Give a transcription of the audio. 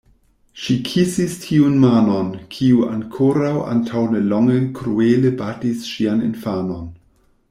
Ŝi kisis tiun manon, kiu ankoraŭ antaŭ nelonge kruele batis ŝian infanon.